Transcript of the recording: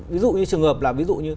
ví dụ như trường hợp là